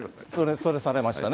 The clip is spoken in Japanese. それされましたね。